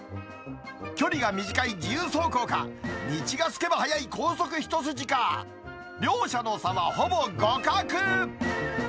距離が短い自由走行か、道がすけば速い高速一筋か。両者の差はほぼ互角。